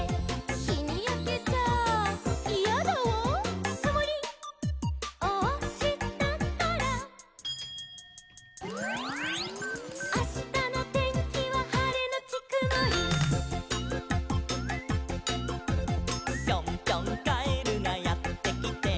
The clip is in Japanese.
「『ひにやけちゃイヤだわ』」「くもりをおしたから」「あしたのてんきははれのちくもり」「ぴょんぴょんカエルがやってきて」